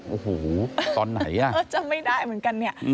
อ่ะหูตอนไหนคะจำไม่ได้เหมือนกัน